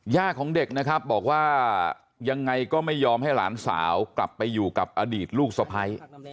ของเด็กนะครับบอกว่ายังไงก็ไม่ยอมให้หลานสาวกลับไปอยู่กับอดีตลูกสะพ้าย